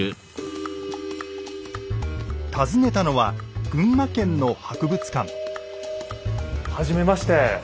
訪ねたのは群馬県の博物館。はじめまして。